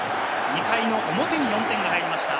２回の表に４点が入りました。